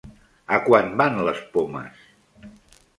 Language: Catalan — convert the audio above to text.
A quant van les pomes?